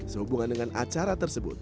sehubungan dengan acara tersebut